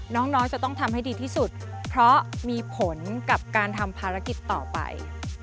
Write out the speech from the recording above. น้องน้อยจะต้องทำให้ดีที่สุดเพราะมีผลกับการทำภารกิจต่อไป